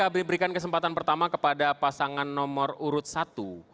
berikan kesempatan pertama kepada pasangan nomor urut satu